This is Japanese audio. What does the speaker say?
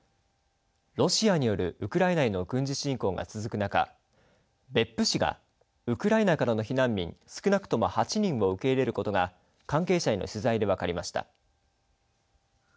ロシアによるウクライナへの軍事侵攻が続く中別府市がウクライナからの避難民少なくとも８人を受け入れることが関係者への取材で分かりました。